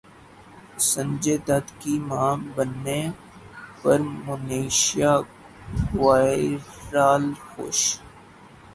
سنجے دت کی ماں بننے پرمنیشا کوئرالا خوش